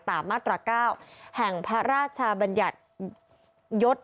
ตามมาตรา๙แห่งพระราชบัญญัติยศ